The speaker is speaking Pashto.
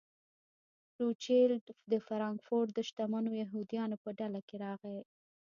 روچیلډ د فرانکفورټ د شتمنو یهودیانو په ډله کې راغی.